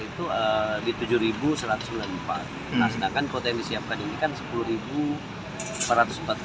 pemudik yang berangkat berharga sekitar rp sepuluh empat ratus empat puluh